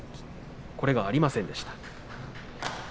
これがありませんでした。